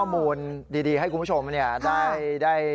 วัตถุไวไฟนะคุณผู้ชมสเปรย์แอลกอฮอล์